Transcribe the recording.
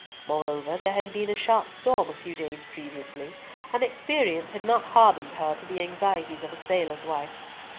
Moreover, there had been a sharp storm a few days previously, and experience had not hardened her to the anxieties of a sailor's wife.